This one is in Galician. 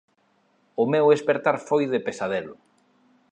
O meu espertar foi de pesadelo.